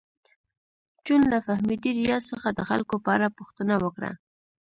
جون له فهمیدې ریاض څخه د خلکو په اړه پوښتنه وکړه